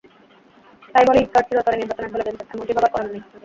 তাই বলে ঈদকার্ড চিরতরে নির্বাসনে চলে গেছে, এমনটি ভাবার কারণ নেই।